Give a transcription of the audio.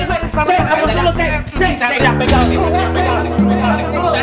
cek apaan itu lo cek